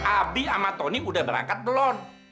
abi sama tony udah berangkat belum